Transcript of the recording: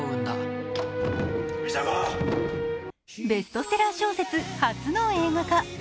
ベストセラー小説、初の映画化。